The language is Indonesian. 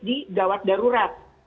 di gawat darurat